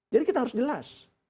jadi kita harus jelas